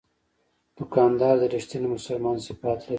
دوکاندار د رښتیني مسلمان صفات لري.